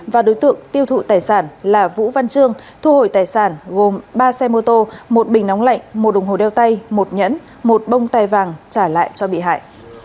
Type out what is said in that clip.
và đối tượng tiêu thụ tài sản là vũ văn trương thu hồi tài sản gồm ba xe mô tô một bình nóng lạnh một đồng hồ đeo tay một nhẫn một bông tay vàng trả lại cho bị hại